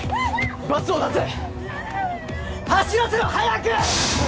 バスを出せ走らせろ早く！